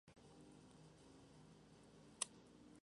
El punto de aplicación de la muestra se denomina toque.